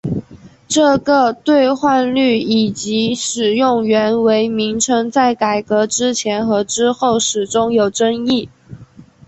这个兑换率以及使用元为名称在改革之前和之后始终有争议。